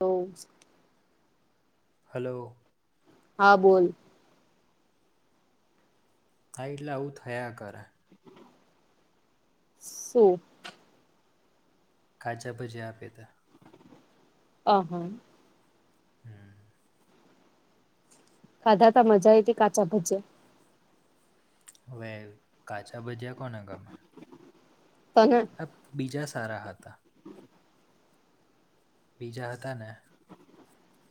તો હાલો, હા બોલ, હા, એટલે આવું થયા કરે. શું [inaudible] કાચા ભજિયા આપ્યાતા. અહા, હમ ખાધા તા મજા આઈ કાચા ભજ્યા હવે કાચા ભજ્યા કોને ગમે તને આ બીજા સારા હતા બીજા હતા ને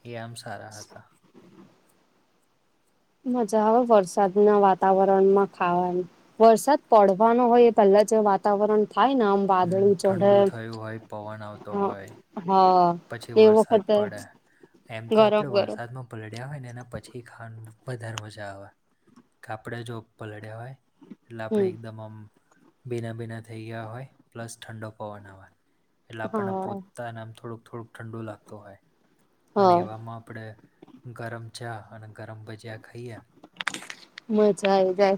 એ આમ સારા હતા મજા આવે વરસાદ ના વાતાવરણમાં ખાવાની વરસાદ પડવાનો હોય એ પહેલા જે વાતાવરણ થાય નેમ હમ વાદળું ચઢે ઠંડુ થયું હોય પવન આવતો હ હોય હા પછી એ વરસાદ વખતે પડે એમ તો ગરમ આપણે ગરમ વરસાદમાં પલડ્યા હોય ને એના પછી ખાવાની વધારે મજા આવે કાપડા જો પલળ્યા હોય એટલે આપણે હમ એકદમ આમ ભીના ભીના થઇ ગયા હોય પ્લસ ઠંડો પવન હોય એટલે આપણને હા પોતાને આમ થોડુંક થોડુંક ઠંડુ લાગતું હોય અને હા એવામાં આપણે ગરમ ચા અને ગરમ ભજીયા ખાઈએ મજા આ જાય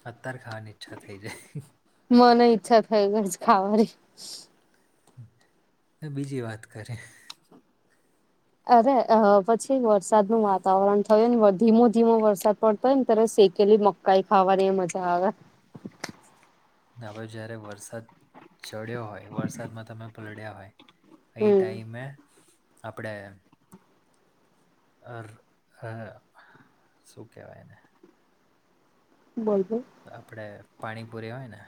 ત્યારે ખાવા ની ઈચ્છા થઇ જાય મને ઈચ્છા થઈ ગય ખાવાની બીજી વાત કરી અરે અ પછી વરસાદ ન વાતાવરણ થયું ને ધીમો ધીમો વરસાદ પડતો હોય ને ત્યારે શેકેલી મ કાઈ ખાવાની એ મજા આવે હવે જયારે વરસાદ ચડ્યો હોય વરસાદમાં તમે પલડ્યા હોય ઈ હમ ટાઈમે આપડે અ શું કેહેવાય એને બોલતો આપડે પાણીપુરી હોય ને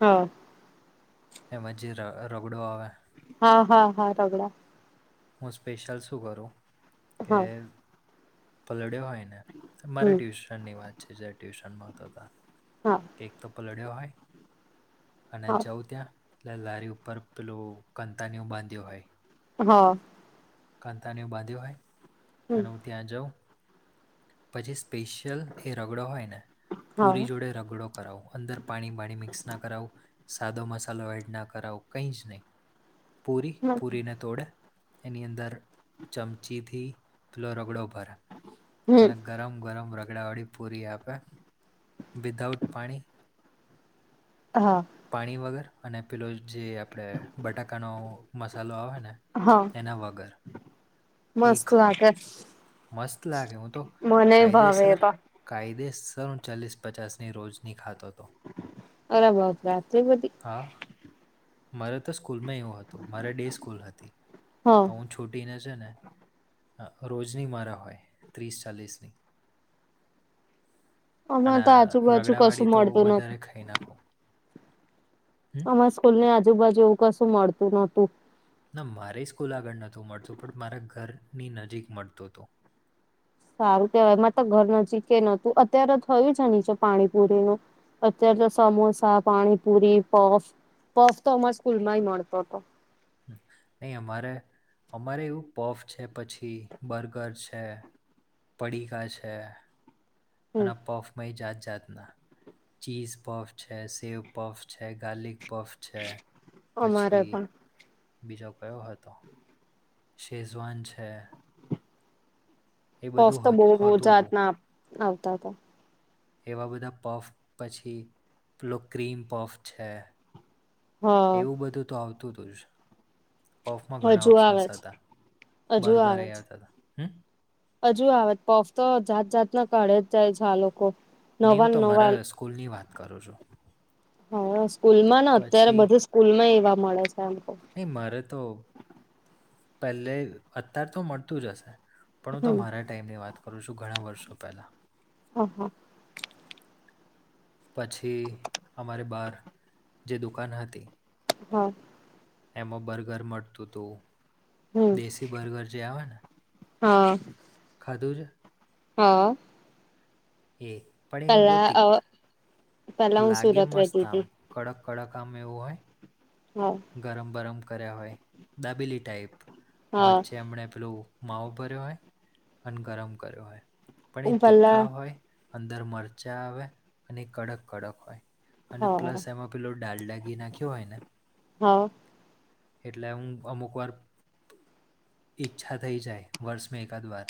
હા એમાં જે રગડો આવે હા હા હા રગડા હું સ્પેશિયલ શું કરું કે હા પલળ્યો હોય ને મારે હમ ટ્યુશન ની વાત છે જારે ટ્યુશનમાં તો ત હા એક તો પલળ્યો હોય અને હા જઉં ત્યાં લે લારી ઉપર પેલું કતાનીું બાંધ્યો હોય હા કતાનીું બાંધ્યો હમ હોય ત્યાં જાઉં પછી સ્પેશિયલ એ રગડો હોય ને પૂરી હા જોડે રગડો કરાવો અંદર પાણી બાણી મિક્સ ના કરાવું સાદો મસાલો એડ ના કરાવો કઈ જ નહી પૂરી પૂરીને તોડે એની અંદર દર ચમચીથી પેલો રગડો ભરે હમ અને ગરમ ગરમ રગડાવાળડી પૂરી આપે વિધાઉટ પાણી હા પાણી વગર અને પેલો જે આપણે બટાકાનો મસાલો આવે ને હા એના વગર. એ મસ્ત તું ખાઉં [unintelligible] મસ્ત લાગે હું તો કહી દે એ સર બા કાયદેસ હું ચાલીસ પચાસની રોજની ખાતો હતો. અરે બાપ રે આટલી બધી. હા મારે તો સ્કૂલમાં એવું હતું મારે ડે સ્કૂલ હતી હા તો હું છૂટીને છે ને રોજ [unintelligible] મારા હોય ત્રીસ ચાલીસની. અને અમારે તો આજુબાજુ રગડાવાડી કશું તો મળતું નતું વધારે ખાઈ નાખું. હમ અમારા સ્કૂલ ની આજુબાજુ એવું કશું મળતું નહોતું. ના મારે સ્કૂલ આગળ નહતું મળતું પણ મારા ઘરની નજીક મળતું હતું. સારું કહેવાય એમાં તો ઘર નજીક નહતું અત્યારે થયું છે નીચે પાણીપુરીનું. અત્યારે તો સમોસા પાણીપુરી પોફ પોફ તો અમા સ્કૂલમાં ભી મળતો હતો. નહી અમાર અમારે એવું પોફ છે પછી બર્ગર છે. પડીકા છે હમ અને પફ પાહિ જાત જાતના ચીઝ પફ છે સેવ પફ છે ગાર્લિક પફ છે અમારે પછી પણ બીજો કયો હતો. સેજવાન છે. એ પફ બધું તો હતું બહુ હોતું જાત હતું ના આવતા હતા. એવા બધા પફ પછી પેલો ક્રીમ પફ છે. એવું હા બધું તો આવતું હતું જ પોફમાં ઘણા હજુ આવે ઓપ્શન્સ છે હતા હજુ બર્ગર આવે છે એયાત હતા હમ્મ. હજુ આવે પોફ તો જાત જાતના કાળે જ જાય છે આ લોકો. નહીં નવા હું નવા તમારા સ્કૂલની વાત કરું છું. હા સ્કૂલ માં ને અત્યારે પછી બધી સ્કૂલ માં એવા મળે છે આમ તો. નહી મારે તો પહેલે અત્યાર તો મળતુંજ હશે. પણ હું તો હમ મારા ટાઈમની વાત કરું છું ઘણા વર્ષો પહેલા. હ હા. પછી અમારી બાર જે દુકાન હતી હા. એમાં બર્ગર મળતું હતું હમ દેશી બર્ગર જે આવે ને હા. ખાધું છે. હા. એે પણ એ બો પેલા અ તીખ પેલા હું લાગે સુરત મસ્ત રહેતી આમ હતી કડક કડક આમ એવું હોય. હા. ગરમ બરમ કર્યા હોય દાબીલી ટાઈપ હા વચ્ચે હમણે પેલું માવ ભર્યો હોય અને ગરમ કર્યો હોય પણ હું એ પેલા તીખા હોય. અંદર મરચાં આવે અને કડક કડક હોય. અને હા પ્લસ એમાં પેલો ડાલડા ઘી નાખ્યો હોય ને હા. એટલે હું અમુક વાર ઈચ્છા થઈ જાય વર્ષ મે એકાદ વાર.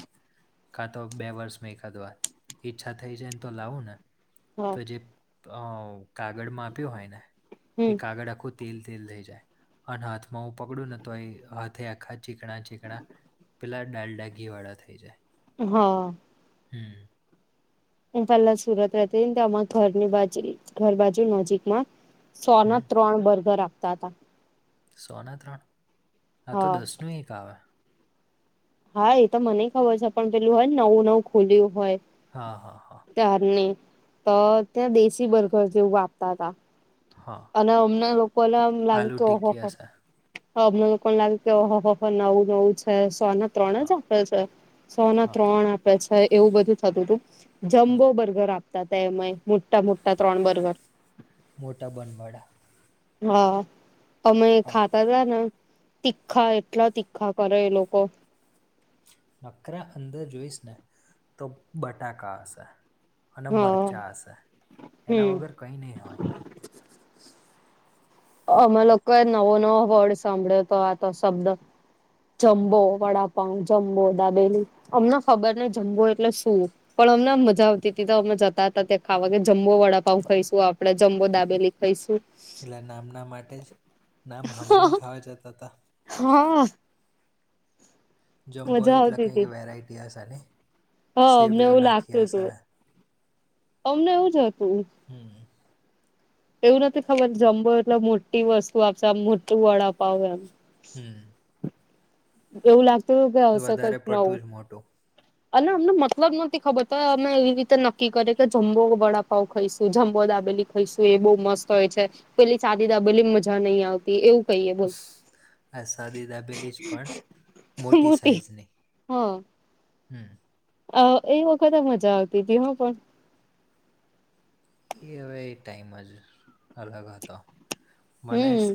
કા તો બે વર્ષમાં એકાદ વાર ઈચ્છા થઈ જ ને તો લાવું ને. હા તો જે અ કાગળ આપ્યું હોય ને હમ એ કાગળ આખું તેલ તેલ થઈ જાય. અને હાથમાં હું પકડું ને તો હાથે આખા ચીકણા ચીકણા પેલા ડાલડા ઘી વાળા થઈ જાય. હા. હ અ હું પેલા સુરત રહેતીન તો અમાર ઘરની બાજી ઘર બાજુ નજીકમાં સો ના હમ ત્રણ બર્ગર આપતા હતા. સો ને ત્રણ આ તો હા દસ નું એક આવે. હા એ તો મને ખબર છે પણ પેલું હોય ને નવું નવું ખુલ્યું હોય હા હ હ તારને તો ત્યાં દેશી બર્ગર જેવું આપતા હતા. હા અને અમન લોકોને એમ લાગે આલુ કે ઓહો ટિક્કી હો હશે હ અમન લોકો ને લાગ્યું કે ઓહો હો નવું નવુ છે સોને ત્રણ જ હા આપે છે. સો ના હા ત્રણ આપે છે, એવું બધું થતું હતું હા જમ્બો બર્ગર આપ [unintelligible] મોટા મોટા ત્રણ બર્ગર મોટા બનવાડા હા અમે હા ખા તા તાન તીખા એટલા તીખા કરે એ લોકો નકરા અંદર જોઈશ ને તો બટાકા હશે. અને હા મરચાં હશે એના હમ વગર કંઈ નહીં હોય. અમે લોકોએ નવો નવો વર્ડ સાંભળ્યો હતો આતો શબ્દ. જમ્બો વડાપાવ જમ્બો દાબેલી અમને ખબર ને જમ્બો એટલે શું. પણ અમનેમ મજા આવતી હતી તો અમે જતા હતા ત્યા ખાવા ગે જમ્બો વડાપાવ ખાઈશું આપડે જમ્બો દાબેલી ખઈશું એટલે નામના માટે જ નામ હંમભરીન ખાવા જતા હતા હ આ જમ્બોય મજા એટલે આવતી કઈક હતી વેરાયટી હશે નઈ હા અમને એવું લાગતું તું, અમને એવું જ હતું. હમ્મ. એવું નતી ખબર જમ્બો એટલે મોટી વસ્તુ આપશે આમ મોટું વડાપાવ એમ હમ્મ એવું લાગતું તું કે તો હશે વધારે કઈક નવું. પડતું જ મોટું અને અમને મતલબ નતી ખબર તો અમે એવી રીતે નક્કી કરીયુ કે જમ્બો વડાપાવ ખઈશું જમબો દાબેલી ખઈશું એ બઉં મસ્ત હોય છે, પેલી સાદી દાબેલી મજા નહી આવતી એવું કહીએ બોલ આ સાદી દાબેલી જ પણ મોટી સાઇઝની હમ્મ અ એ વખતે મજા આવતી તી હો પણ એ હવે એ ટાઈમ જ અલગ હતો મનેસ હમ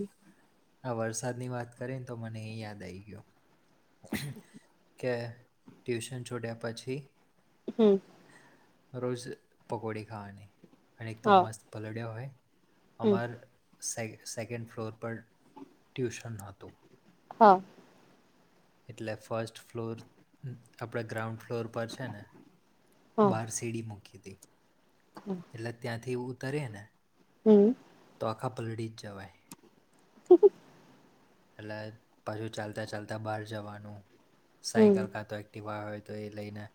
આ વરસાદ ની વાત કરી ને તો મને એ યાદ આઈ ગ્યો. કે ટ્યુશન છોડ્યા પછી હમ્મ રોજ પકોડી ખાવાની. અને એક તો હા મસ્ત પલડ્યા હોય હમ અમાર સે સેકન્ડ ફ્લોર પર ટ્યુશન હતું. હા. એટલે ફર્સ્ટ ફ્લોર આપડે ગ્રાઉન્ડ ફ્લોર પર છે ને બારસી એડી મુખીતી હમ્મ. એટલે ત્યાંથી ઉતરિ એને હમ્મ તો આખા પલડી જ જવાય. [inaudible] એટલે ભાઈ ચાલતા ચાલતા બહાર જવાનું સાયકલ કાતો એ ક્ટિવા હોય તો એ લઈને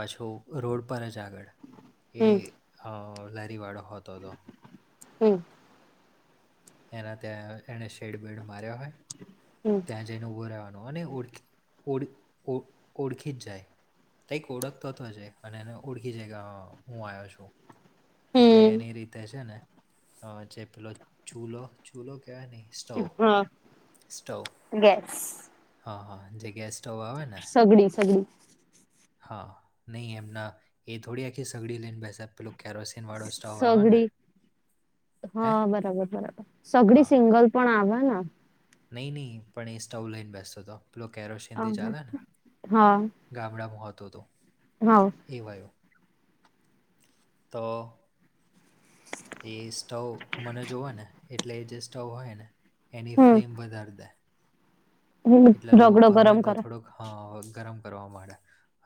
પાછું રોડ પર જ આગળ એ હમ અ લારીવાળો હોતો હતો. હમ્મ. એના ત્યાં એને શેડ બેડ માર્યો હોય. હમ્મ. ત્યાં જઈને ઉભો રવાનો અને ઓળખી ઓળી ઓ ઓળખી જ જાય. કઈક ઓળખતો થ જ અને એ ઓળખી જ હું આવ્યો છું. એટલે એની હમ રીતે છે, ને જે પેલો ચૂલો ચૂલો કેવાય નહ સ્ટવ હા સ્ટવ. ગેસ હા હા જે ગેસ સ્ટોવ આવે ને સગડી સગડી હા નહીં એમના એ થોડી આખી સગડી લઈને બેસેબ. પેલું કેરોસીન વાળો સ્ટવ આવે ને સગડી હે. હા બરાબર બરાબર સગડી હા સિંગલ પણ આવે ને. નહીં નહીં પણ એ સ્ટવ લઈને બેસતો હતો પેલો કેરોશિ અહ. ચાલે ને. હા ગાબડા મહત્વ હતો હા. [unintelligible] તો. એ સ્ટવ મને જોવા ને એટલે એ જે સ્ટવ હોય ને એની હમ ફ્લેમ વધારી દે. હમ કેટલા લો રગડો ઉપર હોય ને ગરમ તો કરે થોડોક. હ ગરમ કરવા માંડે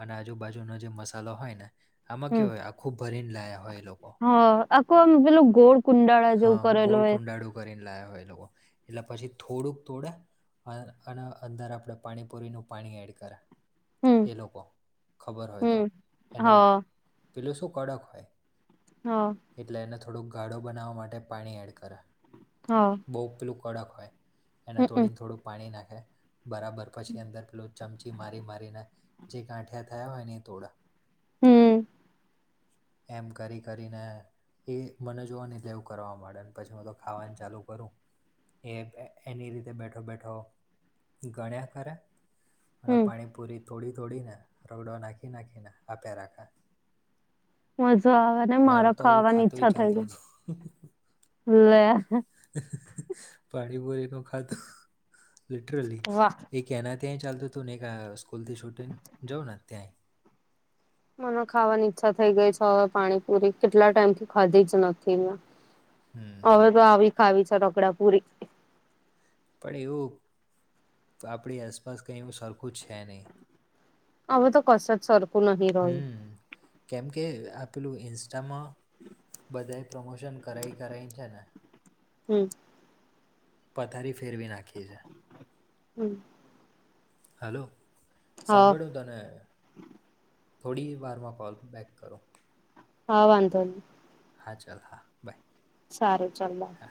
અને આજુબાજુનો જે મસાલો હોય ન આમાં હમ કેવા હોય આખું ભરીને લા હોય એ લોકો. હા આખું આમ પેલું ગોળ કુંડાળા જેવું હા કરેલું ગોળ હોય કુંડાળું કરીને લાવ્યા હોય એ લોકો એટલે પછી થોડુંક તોડે અને અને અંદર આપણે પાણીપુરીનું પાણી એડ કરે. હમ એ લોકો ખબર હોય તો હમ એને હા પેલું શું કડક હોય. હમ્મ. એટલે એને થોડોક ગાળો બનાવવા માટે પાણી એડ કરે. હા. બહુ પેલું કડક હોય એને હમમ થોડીને થોડું પાણી નાખે. બરાબર પછી અંદર પેલોું ચમચી મારી મારીને જે ગાંઠિયા થયા હોય ને એ તોડા. હમ્મ. એમ કરી કરીને. એ મને જોવા એટલે એવું કરવા માંડે ને પછી હું તો ખાવાનું ચાલુ કરું. એ એની રીતે બેઠો બેઠો. ગણ્યા કર મા હમ પાણી પૂરી. થોડી તોોડી ને રોડો નાખી નાખીને આપ્યા રાખા. મજા આવે ને મારે તો આવવું ખાવાની ખાતું હ ઈચ્છા થઈ ચાલતું હતું. ગઈ લે પાણીપુરી ન ખાધું. લિટરલી વાહ એ્યાંના ત્યાંય ચાલતું હતું ને એક સ્કૂલથી છૂટીને જાઉં ને ત્યાંય. મને ખાવાની ઈચ્છા થઈ ગઈ છે હવે પાણી પુરી કેટલા ટાઈમ થી ખાધી જ નથી મેં. હમ હવે તો આવી ખાવી છે ટકડા પૂરી. પણ એવું આપણી આસપાસ કઈ એવ સરખું છે નહી. હવે તો કશ જ સરખું નહી રહ્યું. કેમકે આપેલું ઇન્સ્ટામાં બધા પ્રમોશન કરાઈ કરાઈને છે ને. હમ્મ. તારી ફેરવી નાખી છે. હમ્મ. હલો હા સાંભળું તને. થોડી વારમાં કોલ બૅક કરો. હ વાંધો. હા ચાલ હા બાય. સારૂ ચાલો હા